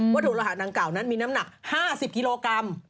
วัตถุรหักนางกล่าวนั้นมีน้ำหนัก๕๐กิโลกรัม